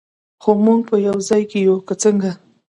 خو موږ به یو ځای یو، که څنګه؟